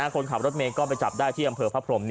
คนขับรถเมย์ก็ไปจับได้ที่อำเภอพระพรม